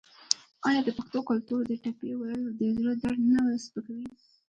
آیا د پښتنو په کلتور کې د ټپې ویل د زړه درد نه سپکوي؟